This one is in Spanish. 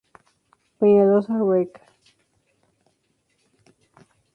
Peñaloza; Reg.